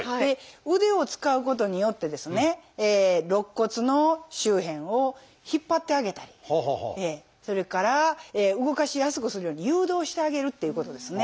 肋骨の周辺を引っ張ってあげたりそれから動かしやすくするように誘導してあげるっていうことですね。